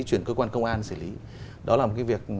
chuyển cơ quan công an xử lý đó là một cái việc